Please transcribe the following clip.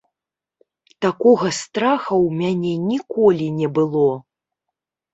Такога страха ў мяне ніколі не было.